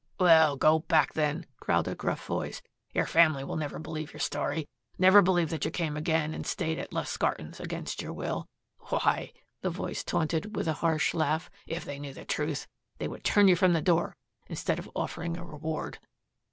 "Well, go back then," growled a gruff voice. "Your family will never believe your story, never believe that you came again and stayed at Lustgarten's against your will. Why," the voice taunted with a harsh laugh, "if they knew the truth, they would turn you from the door, instead of offering a reward."